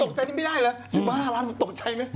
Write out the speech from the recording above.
ผมตกใจกันไม่ได้หรอ๑๕ล้านตกใจไหม